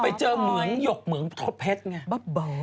ไปเจอเหมืองหยกเหมืองท่อเพชรไง